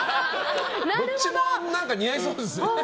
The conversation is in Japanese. どっちも似合いそうですよ